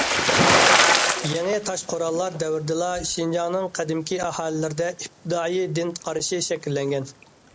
يېڭى تاش قوراللار دەۋرىدىلا شىنجاڭنىڭ قەدىمكى ئاھالىلىرىدە ئىپتىدائىي دىن قارىشى شەكىللەنگەن.